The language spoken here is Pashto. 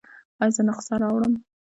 ایا زه نسخه راوړم؟